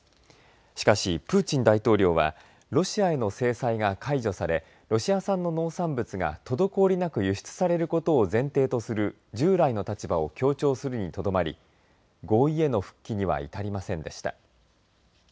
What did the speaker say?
しかし、プーチン大統領はロシアへの制裁が解除されロシア産の農産物が滞りなく輸出されることを前提とする中従来の立場を強調するにとどまり合意への復帰には至りませんでした。